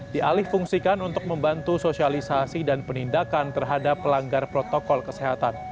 dialih fungsikan untuk membantu sosialisasi dan penindakan terhadap pelanggar protokol kesehatan